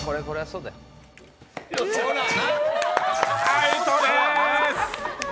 アウトでーす。